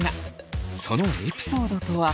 そのエピソードとは。